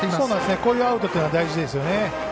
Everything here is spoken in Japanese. こういうアウトというのは大事ですよね。